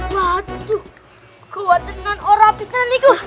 waduh kekuatan orang pitan itu